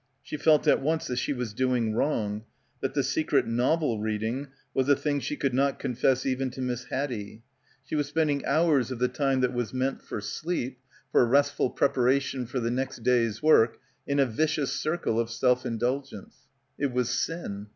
She felt at once that she was doing wrong; that the secret novel reading was a thing she could not confess, even to Miss Haddie. She was spending hours of — 176 —» BACKWATER the time that was meant for sleep, for restful preparation for the next day's work, in a "vicious circle" of self indulgence. It was sin.